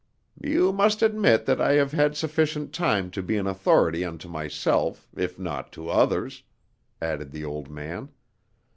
"You must admit that I have had sufficient time to be an authority unto myself, if not to others," added the old man.